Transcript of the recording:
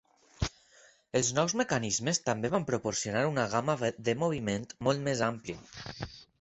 Els nous mecanismes també van proporcionar una gama de moviment molt més amplia.